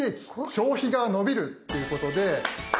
消費が伸びる！」ということで。